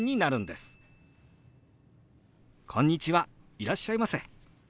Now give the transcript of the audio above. いらっしゃいませ」。